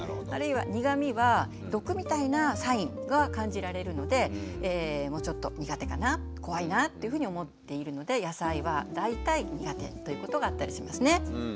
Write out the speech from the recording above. あるいは苦みは毒みたいなサインが感じられるのでちょっと苦手かな怖いなっていうふうに思っているので野菜は大体苦手ということがあったりしますね。